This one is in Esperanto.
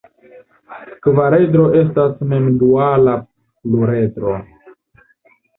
Kvaredro estas mem-duala pluredro.